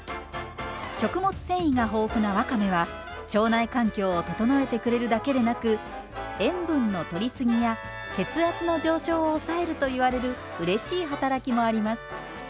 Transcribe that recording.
食物繊維が豊富なわかめは腸内環境を整えてくれるだけでなく塩分のとり過ぎや血圧の上昇を抑えるといわれるうれしい働きもあります。